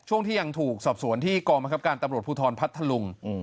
ช่วงที่ยังถูกที่ถูกสอบส่วนภกรรณ์การปรุธรพลถลุง